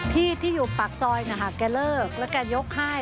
ที่ที่อยู่ปากซอยนะคะแกเลิกแล้วแกยกให้